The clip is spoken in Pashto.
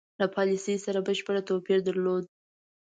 له پالیسی سره بشپړ توپیر درلود.